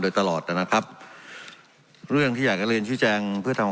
โดยตลอดนะครับเรื่องที่อยากจะเรียนชี้แจงเพื่อทำ